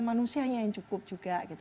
manusianya yang cukup juga